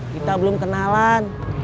kita belum kenalan